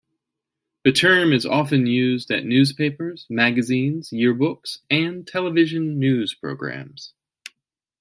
The term is often used at newspapers, magazines, yearbooks, and television news programs.